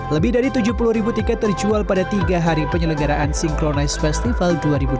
lebih dari tujuh puluh ribu tiket terjual pada tiga hari penyelenggaraan synchronize festival dua ribu dua puluh